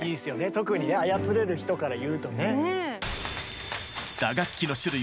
特にね操れる人から言うとね。